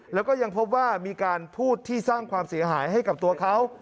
แล้วก็ยังพบว่ามีการพูดที่สร้างความเสียหายให้กับตัวเขา